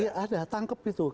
iya ada tangkap itu